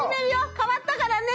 替わったからね。